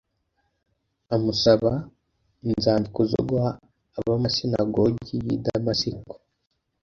amusaba inzandiko zo guha ab’amasinagogi y’i Damasiko,